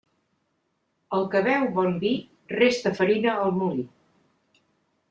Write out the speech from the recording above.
El que beu bon vi resta farina al molí.